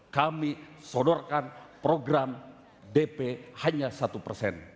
kami sodorkan program dp hanya satu persen